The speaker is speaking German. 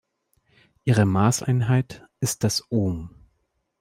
Ihre Maßeinheit ist das Ohm.